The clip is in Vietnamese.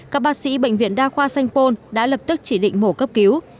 các bác sĩ bệnh viện đa khoa sanh pôn đã lập tức chỉ định mổ cấp cứu